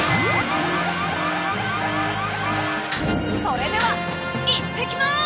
それでは行ってきます！